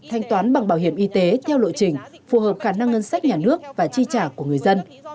thanh toán bằng bảo hiểm y tế theo lộ trình phù hợp khả năng ngân sách nhà nước và chi trả của người dân